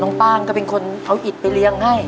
ป้างก็เป็นคนเอาอิดไปเลี้ยงให้